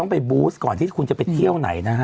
ไปบูสก่อนที่คุณจะไปเที่ยวไหนนะฮะ